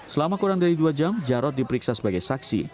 selama kurang dari dua jam jarod diperiksa sebagai saksi